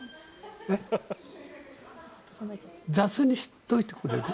雑にしといてくれる？